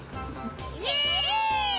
イエイ！